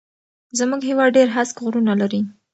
زموږ هيواد ډېر هسک غرونه لري